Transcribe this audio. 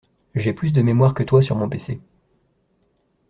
J'ai plus de mémoire que toi sur mon pc.